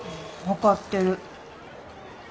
分かってる。